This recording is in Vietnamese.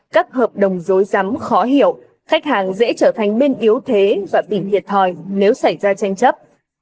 các hợp đồng dối giắm khó hiểu khách hàng dễ trở thành bên yếu thế và tỉnh hiệt thòi nếu xảy ra tranh chấp